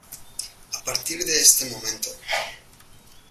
a partir de este momento